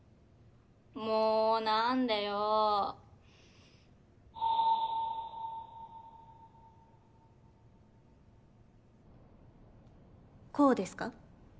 もう何でよこうですか？